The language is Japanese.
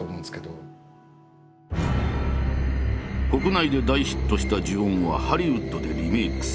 国内で大ヒットした「呪怨」はハリウッドでリメイクされた。